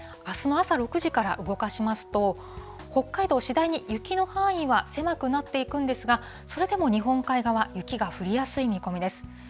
あすの朝６時から動かしますと、北海道、次第に雪の範囲は狭くなっていくんですが、それでも日本海側、雪が降りやすい見込みです。